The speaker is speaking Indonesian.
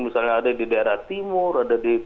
misalnya ada di daerah timur ada di